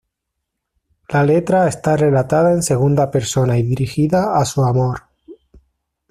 La letra está relatada en segunda persona y dirigida a su "amor".